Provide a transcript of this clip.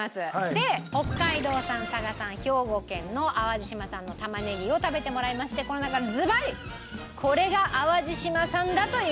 で北海道産佐賀産兵庫県の淡路島産の玉ねぎを食べてもらいましてこの中でずばりこれが淡路島産だというものを。